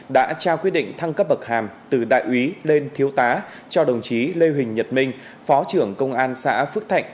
đã trao quyết định thăng cấp bậc hàm từ đại úy lên thiếu tá cho đồng chí lê huỳnh nhật minh phó trưởng công an xã phước thạnh